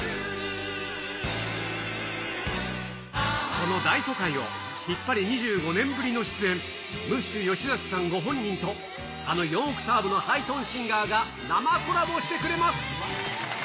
この大都会を、ヒッパレ２５年ぶりの出演、ムッシュ吉崎さんご本人と、あの４オクターブのハイトーンシンガーが生コラボしてくれます。